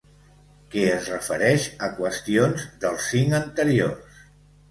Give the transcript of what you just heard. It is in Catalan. Que es refereix a qüestions dels cinc anteriors.